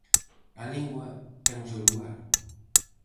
A lingua ten o seu lugar.